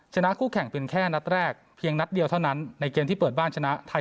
ชนะคู่แข่งเป็นแค่นัดแรกเพียงนัดเดียวเท่านั้นในเกมที่เปิดบ้านชนะไทย